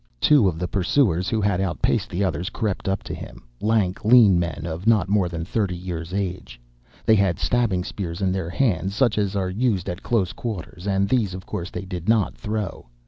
"Two of the pursuers who had outpaced the others crept up to him—lank, lean men of not more than thirty years of age. They had stabbing spears in their hands, such as are used at close quarters, and these of course they did not throw.